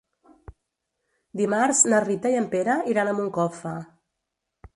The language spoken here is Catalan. Dimarts na Rita i en Pere iran a Moncofa.